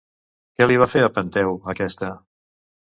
Què li va fer a Penteu, aquesta?